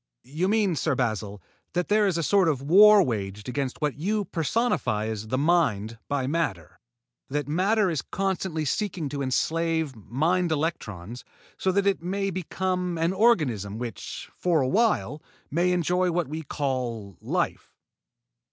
"You mean, Sir Basil, that there is a sort of war waged against what you personify as the Mind by matter; that matter is constantly seeking to enslave mind electrons, so that it may become an organism which, for awhile, may enjoy what we call life?"